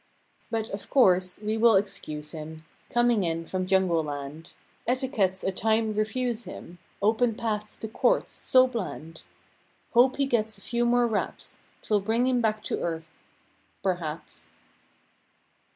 But, of course, we will excuse him. Coming in from Jungle land; Etiquettes a time refuse him Open paths to courts, so bland. Hope he gets a few more raps, 'Twill bring him back to earth—perhaps.